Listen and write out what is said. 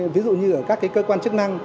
ví dụ như các cơ quan chức năng